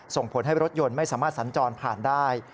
ส่งผลให้รถยนต์ไม่สามารถสัญจรผ่านได้